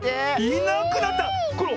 いなくなった⁉これ